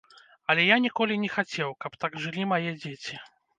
Але я ніколі не хацеў, каб так жылі мае дзеці.